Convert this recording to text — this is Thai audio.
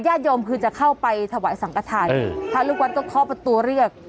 ญาติโยมคือจะเข้าไปถวายสังกฐานพระลูกวัดก็เคาะประตูเรียก